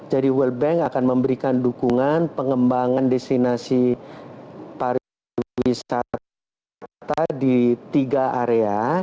jadi world bank akan memberikan dukungan pengembangan destinasi pariwisata di tiga area